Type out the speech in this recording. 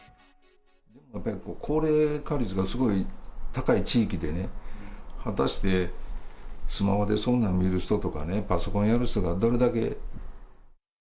やっぱり高齢化率がすごい高い地域でね、果たしてスマホでそんなん見る人とかね、パソコンやる人がどれだけ。